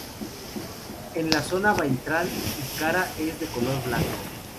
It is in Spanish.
En la zona ventral y cara es de color blanco.